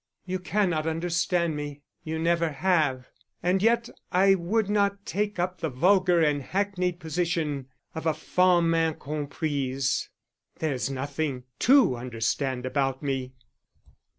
You cannot understand me, you never have; and yet I would not take up the vulgar and hackneyed position of a femme incomprise. There is nothing to understand about me.